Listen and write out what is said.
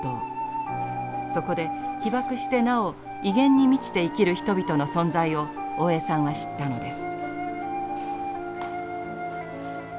そこで被爆してなお威厳に満ちて生きる人々の存在を大江さんは知ったのです。